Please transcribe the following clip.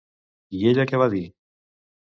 I ella què va dir?